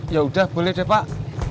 ya udah boleh deh pak